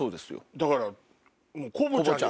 だから。